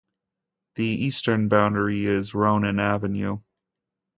The eastern boundary is Ronan Avenue.